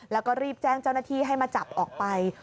แล้วก็รีบแจ้งเจ้าหน้าที่ให้มาจับออกไป